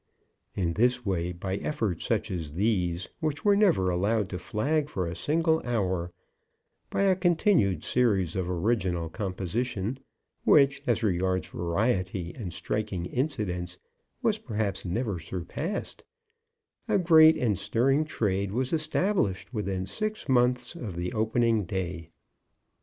In this way, by efforts such as these, which were never allowed to flag for a single hour, by a continued series of original composition which, as regards variety and striking incidents, was, perhaps, never surpassed, a great and stirring trade was established within six months of the opening day.